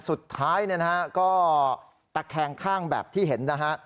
สุดท้ายเนี่ยนะฮะก็ตะแคงข้างแบบที่เห็นนะฮะ